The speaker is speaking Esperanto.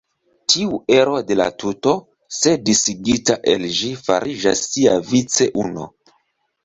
Tiu ero de la tuto, se disigita el ĝi fariĝas siavice uno.